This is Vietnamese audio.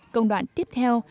công đoạn tiếp theo